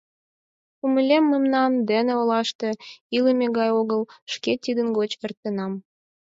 — Умылем, мемнан дене олаште илыме гай огыл, шке тидын гоч эртенам.